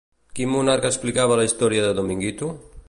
Quin monarca explicava la història de Dominguito?